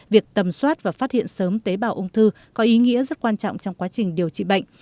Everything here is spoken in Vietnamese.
việc tầm soát và phát hiện sớm tế bào ung thư có ý nghĩa rất quan trọng trong quá trình điều trị bệnh